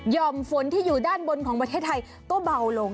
่อมฝนที่อยู่ด้านบนของประเทศไทยก็เบาลง